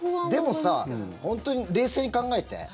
でもさ本当に冷静に考えて。